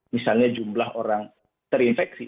misalnya jumlah orang terinfeksi